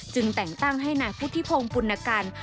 แต่งตั้งให้นายพุทธิพงศ์ปุณกัน